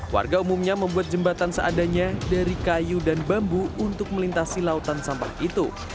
warga umumnya membuat jembatan seadanya dari kayu dan bambu untuk melintasi lautan sampah itu